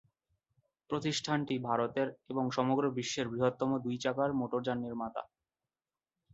প্রতিষ্ঠানটি ভারতের এবং সমগ্র বিশ্বের বৃহত্তম দুই-চাকার মোটরযান নির্মাতা।